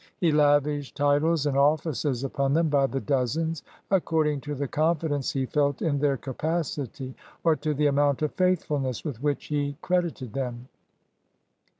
He lavished titles and offices upon them by the dozens, according to the confidence he felt in their capacity or to the amount of faithfulness with which he credited them.